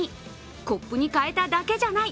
コップに変えただけじゃない。